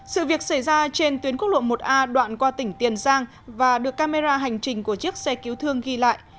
sự việc xảy ra trên tuyến quốc lộ một a đoạn qua tỉnh tiền giang và được camera hành trình của chiếc xe cứu thương ghi lại